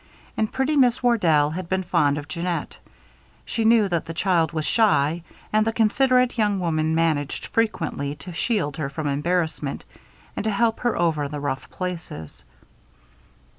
And pretty Miss Wardell had been very fond of Jeannette; she knew that the child was shy, and the considerate young woman managed frequently to shield her from embarrassment, and to help her over the rough places.